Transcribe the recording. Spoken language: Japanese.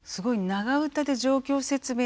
長唄で状況説明なり